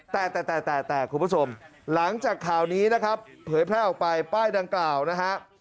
แต่แต่แต่คุณผู้ชมหลังจากข่าวนี้นะครับเผยแพร่ออกไปป้ายดังกล่าวนะฮะ